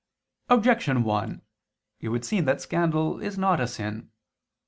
Objection 1: It would seem that scandal is not a sin.